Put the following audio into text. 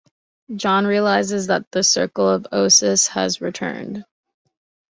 John realizes that the Circle of Ossus has returned.